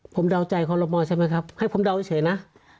ผมเดาใจคอลโมใช่ไหมครับให้ผมเดาเฉยนะ